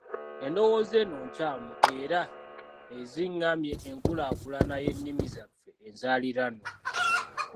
Endowooza eno nkyamu era ezingamya enkulaakulana y’ennimi zaffe enzaaliranwa.